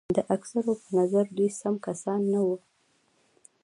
د اکثرو په نظر دوی سم کسان نه وو.